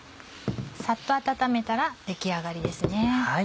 サッと温めたら出来上がりですね。